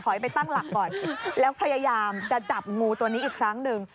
ให้ไปตั้งหลักก่อนแล้วพยายามจะจับงูตัวนี้อีกครั้งหนึ่ง